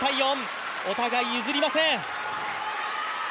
お互い譲りません。